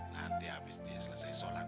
nanti habis dia selesai sholat